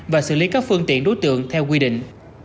và xử lý các phương tiện đối tượng theo quy định